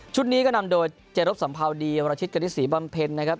ชุดนี้ก็นำโดยเจรพสัมภาวดีราชิตกันที่ศรีบำเพ็ญนะครับ